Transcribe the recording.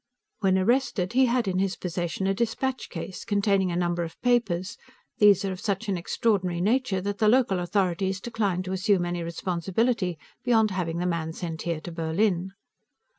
When arrested, he had in his possession a dispatch case, containing a number of papers; these are of such an extraordinary nature that the local authorities declined to assume any responsibility beyond having the man sent here to Berlin.